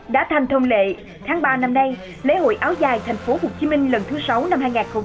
đã thành thông lệ tháng ba năm nay lễ hội áo dài tp hcm lần thứ sáu năm hai nghìn hai mươi